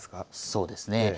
そうですね。